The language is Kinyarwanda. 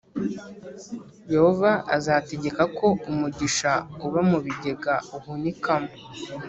yehova azategeka ko umugisha uba mu bigega uhunikamo